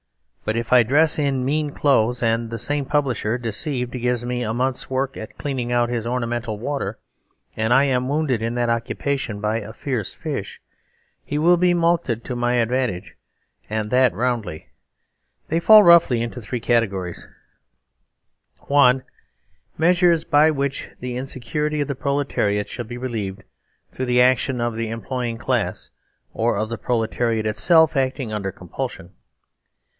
But if I dress in mean clothes, and the same publisher, deceived, gives me a month's work at cleaning out his ornamental water and I am wounded in that occupation by a fierce fish, he will be mulcted to my advantage, and that roundly. 163 THE SERVILE STATE They fall roughly into three categories : (1) Measures by which the insecurity of the prole tariat shall be relieved through the action of the em ploying class, or of the proletariat itself acting under compulsion.